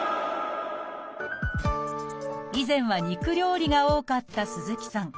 以前は肉料理が多かった鈴木さん。